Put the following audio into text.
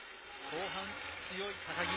後半、強い高木。